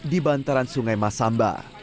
di bantaran sungai masamba